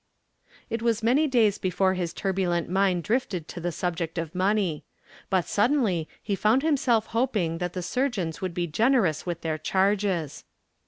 It was many days before his turbulent mind drifted to the subject of money, but suddenly he found himself hoping that the surgeons would be generous with their charges.